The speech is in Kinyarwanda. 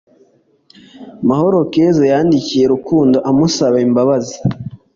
Mahoro Keziya yandikiye Rukundo amusaba imbabazi